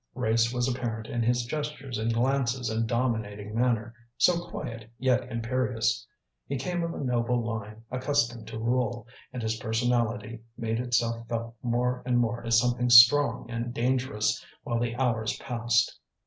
Race was apparent in his gestures and glances and dominating manner, so quiet yet imperious. He came of a noble line accustomed to rule, and his personality made itself felt more and more as something strong and dangerous, while the hours passed.